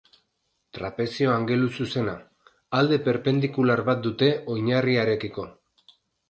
Trapezio angeluzuzena: Alde perpendikular bat dute oinarriarekiko.